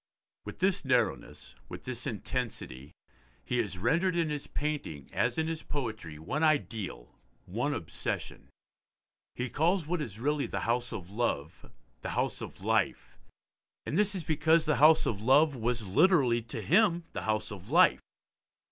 With this narrowness, with this intensity, he has rendered in his painting as in his poetry one ideal, one obsession. He calls what is really the House of Love The House of Life, and this is because the house of love was literally to him the house of life.